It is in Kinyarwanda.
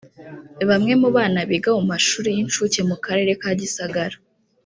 Bamwe mu bana biga mu mashuri y'incuke mu Karere ka Gisagara